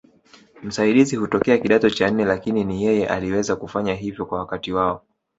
Msaidizi hutokea kidato cha nne Lakini ni yeye aliweza kufanya hivyo kwa wakati wao